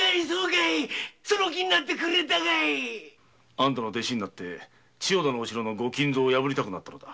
あんたの弟子になって千代田の城の御金蔵を破りたくなったのだ。